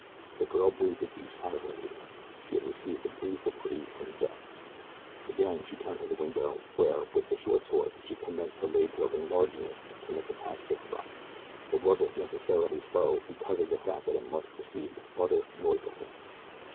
The girl breathed a deep sigh of relief she had received a brief reprieve from death. Again she turned to the window, where, with the short sword, she commenced her labor of enlarging it to permit the passage of her body. The work was necessarily slow because of the fact that it must proceed with utter noiselessness.